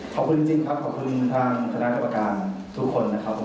ขอบคุณจริงครับขอบคุณทางสนักอัพการณ์ทุกคนนะครับผม